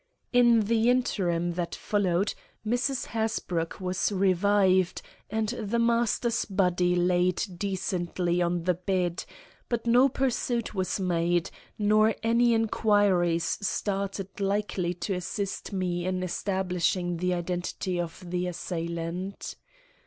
In the interim that followed, Mrs. Hasbrouck was revived, and the master's body laid decently on the bed; but no pursuit was made, nor any inquiries started likely to assist me in establishing the identity of the assailant.